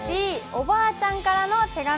Ｂ、おばあちゃんからの手紙。